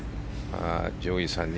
上位３人